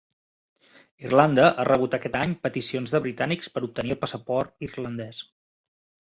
Irlanda ha rebut aquest any peticions de britànics per obtenir el passaport irlandès